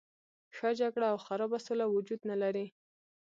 ښه جګړه او خرابه سوله وجود نه لري.